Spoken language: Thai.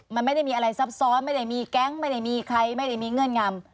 มันไม่ได้มีอะไรซับซ้อนไม่ได้มีแก๊งไม่ได้มีใครไม่ได้มีเงื่อนงำ